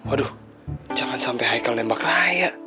aduh jangan sampai haikal nembak raya